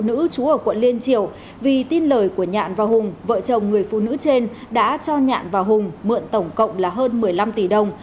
nữ trú ở quận liên triều vì tin lời của nhạn và hùng vợ chồng người phụ nữ trên đã cho nhạn và hùng mượn tổng cộng là hơn một mươi năm tỷ đồng